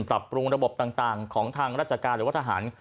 ปรับปรุงระบบต่างของทางราชการหรือว่าทหาร